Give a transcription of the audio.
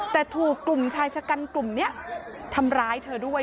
แต่ถูกกลุ่มชายชะกันกลุ่มนี้ทำร้ายเธอด้วย